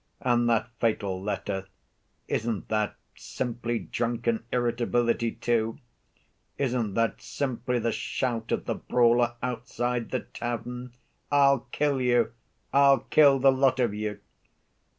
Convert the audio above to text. And that fatal letter—isn't that simply drunken irritability, too? Isn't that simply the shout of the brawler outside the tavern, 'I'll kill you! I'll kill the lot of you!